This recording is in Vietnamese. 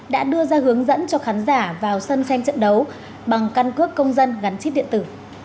đã đưa ra hướng dẫn cho khán giả vào sân xem trận đấu bằng căn cước công dân gắn chip điện tử